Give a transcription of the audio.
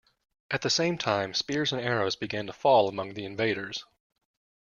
At the same time spears and arrows began to fall among the invaders.